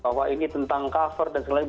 bahwa ini tentang cover dan sebagainya